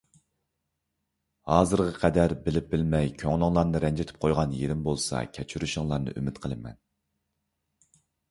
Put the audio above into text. ھازىرغا قەدەر بىلىپ بىلمەي كۆڭلۈڭلارنى رەنجىتىپ قويغان يېرىم بولسا كەچۈرۈشۈڭلارنى ئۈمىد قىلىمەن.